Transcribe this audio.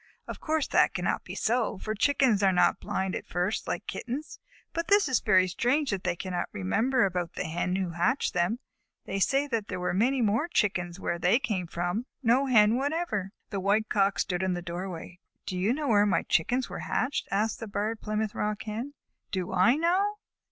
Of course that cannot be so, for Chickens are not blind at first, like Kittens, but it is very strange that they cannot remember about the Hen who hatched them. They say that there were many more Chickens where they came from, but no Hen whatever." The White Cock stood in the doorway. "Do you know where my Chickens were hatched?" asked the Barred Plymouth Rock Hen. "Do I know?"